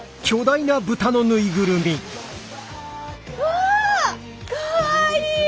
うわかわいい！